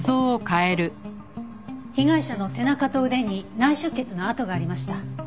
被害者の背中と腕に内出血の痕がありました。